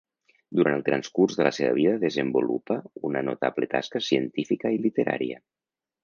Durant el transcurs de la seva vida desenvolupa una notable tasca científica i literària.